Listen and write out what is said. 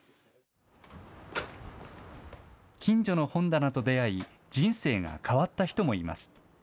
きんじょの本棚と出会い、人生が変わった人もいます。